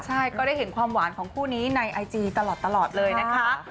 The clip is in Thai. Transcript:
ใช่ก็ได้เห็นความหวานของคู่นี้ในไอจีตลอดเลยนะคะ